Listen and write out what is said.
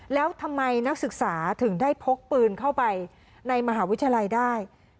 แล้วทำไมนักศึกษาถึงได้พกปืนเข้าไปในมหาวิทยาลัยได้